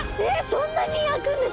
そんなに開くんですか？